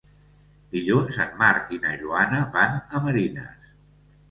Dilluns en Marc i na Joana van a Marines.